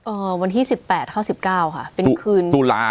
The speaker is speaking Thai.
วันที่สิบแปดเท่าสิบเก้าค่ะเป็นคืนตุลา